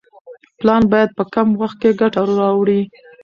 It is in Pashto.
پلان باید په کم وخت کې ګټه راوړي.